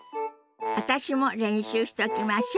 私も練習しときましょ。